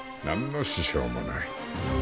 何の支障もない。